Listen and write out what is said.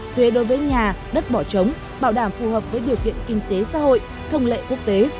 thuế đối với nhà đất bỏ trống bảo đảm phù hợp với điều kiện kinh tế xã hội thông lệ quốc tế